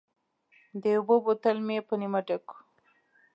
د اوبو بوتل مې په نیمه ډک و.